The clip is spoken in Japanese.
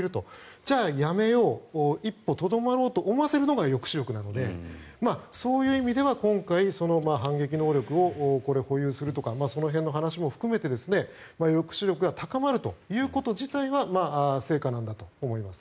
じゃあやめよう一歩とどまろうと思わせるのが抑止力なのでそういう意味では今回、反撃能力を保有するとかその辺の話も含めて抑止力が高まるということ自体は成果なんだと思います。